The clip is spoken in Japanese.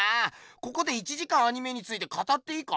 ここで１時間アニメについて語っていいか？